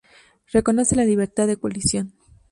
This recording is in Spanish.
Reconoce la libertad de coalición.